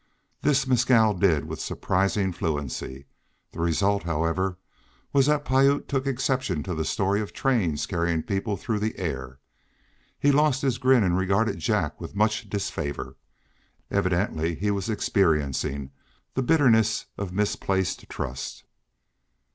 This Mescal did with surprising fluency. The result, however, was that Piute took exception to the story of trains carrying people through the air. He lost his grin and regarded Jack with much disfavor. Evidently he was experiencing the bitterness of misplaced trust.